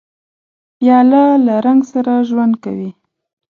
پیاله له رنګ سره ژوند کوي.